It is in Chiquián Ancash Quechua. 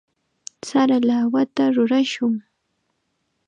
Sara lawata rurashun.